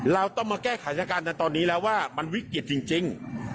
เราต้องมาแก้ไขสถานการณ์ในตอนนี้แล้วว่ามันวิกฤตจริง